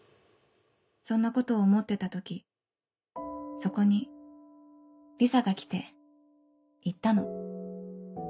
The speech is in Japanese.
そんなことを思ってた時そこにリサが来て言ったの。